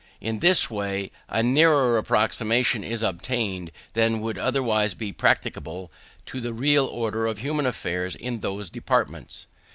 In this way a nearer approximation is obtained than would otherwise be practicable, to the real order of human affairs in those departments.